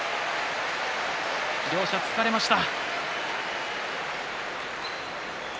両者疲れました。